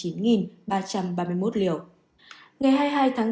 ngày hai mươi hai tháng ba